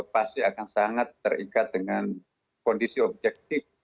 pasti akan sangat terikat dengan kondisi objektif